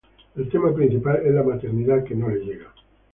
El tema principal es la maternidad que no le llega.